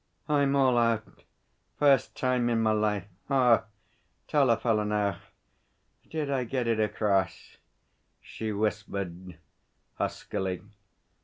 'I'm all out first time in my life. Ah! Tell a fellow now, did I get it across?' she whispered huskily.